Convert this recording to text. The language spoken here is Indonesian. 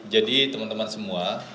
jadi teman teman semua